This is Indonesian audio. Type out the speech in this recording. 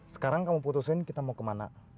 sekarang kamu putusin kita mau kemana